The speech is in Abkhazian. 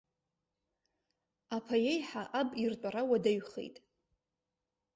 Аԥа иеиҳа аб иртәара уадаҩхеит.